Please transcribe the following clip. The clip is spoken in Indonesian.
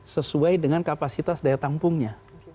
sesuai dengan kapasitas daya tampungnya